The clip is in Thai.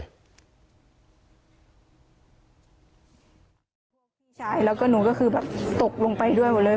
แล้วก็หนูก็คือตกลงไปด้วยหมดเลย